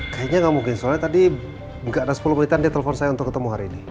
kayaknya nggak mungkin soalnya tadi nggak ada sepuluh menitan dia telpon saya untuk ketemu hari ini